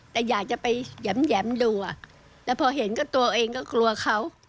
แต่อยากจะไปแหยมดูอ่ะแล้วพอเห็นก็ตัวเองก็กลัวเขา